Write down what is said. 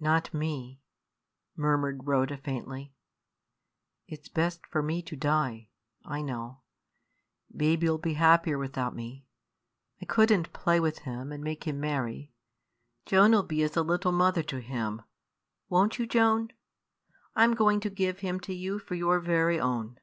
"Not me," murmured Rhoda, faintly; "it's best for me to die, I know. Baby 'll be happier without me. I couldn't play with him and make him merry. Joan 'ill be as a little mother to him, won't you, Joan? I'm going to give him to you for your very own."